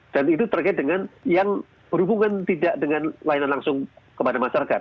dan itu terkait dengan yang berhubungan tidak dengan layanan langsung kepada masyarakat